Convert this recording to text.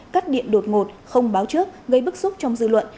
cắt điện đột ngột không báo trước gây bức xúc trong dư luận